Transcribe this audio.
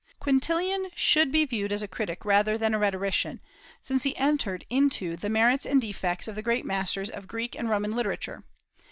Quintilian should be viewed as a critic rather than as a rhetorician, since he entered into the merits and defects of the great masters of Greek and Roman literature.